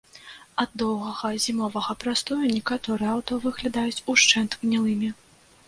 Ад доўгага зімовага прастою некаторыя аўто выглядаюць ушчэнт гнілымі.